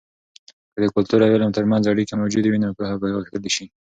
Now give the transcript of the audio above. که د کلتور او علم ترمنځ اړیکې موجودې وي، نو پوهه به غښتلې سي.